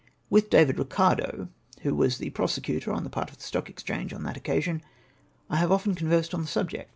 With David Eicardo, who was the prosecutor on the part of the Stock Exchange on that occa sion, I have often conversed on the subject*.